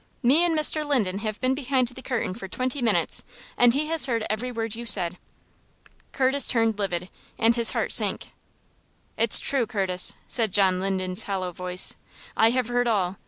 Me and Mr. Linden have been behind the curtain for twenty minutes, and he has heard every word you said." Curtis turned livid, and his heart sank. "It's true, Curtis," said John Linden's hollow voice. "I have heard all.